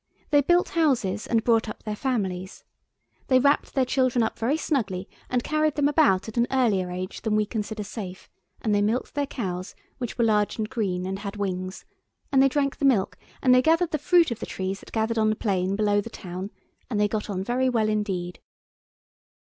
They built houses, and brought up their families. They wrapped their children up very snugly and carried them about at an earlier age than we consider safe, and they milked their cows, which were large and green and had wings, and they drank the milk, and they gathered the fruit of the trees that grew on the plain below the town, and they got on very well indeed.